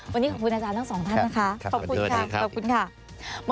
วันนี้ขอบคุณอาจารย์ทั้งสองท่านนะคะขอบคุณค่ะขอบคุณค่ะ